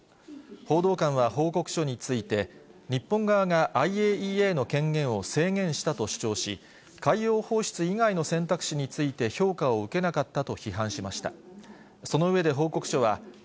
報道官は報告書について、日本側がＩＡＥＡの権限を制限したと主張し、海洋放出以外の選択肢について、評価を受けなかったと批判しました。